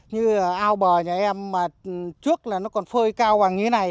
như ao bò nhà em mà trước là nó còn phơi cao bằng như thế này